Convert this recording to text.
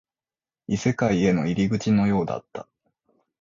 異世界への入り口のようだった